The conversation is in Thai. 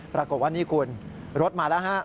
ปรากฏว่านี่คุณรถมาแล้วฮะ